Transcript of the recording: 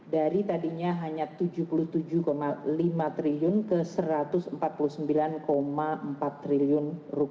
dari tadinya hanya rp tujuh puluh tujuh lima triliun ke rp satu ratus empat puluh sembilan empat triliun